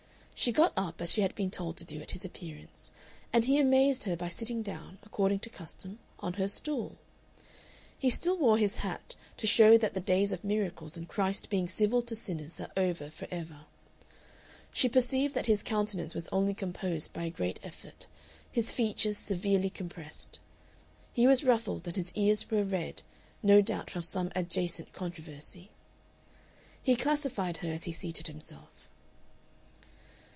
She got up, as she had been told to do, at his appearance, and he amazed her by sitting down, according to custom, on her stool. He still wore his hat, to show that the days of miracles and Christ being civil to sinners are over forever. She perceived that his countenance was only composed by a great effort, his features severely compressed. He was ruffled, and his ears were red, no doubt from some adjacent controversy. He classified her as he seated himself.